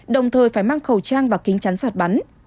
đồng thời phải mang khẩu trang và kính chắn giọt bắn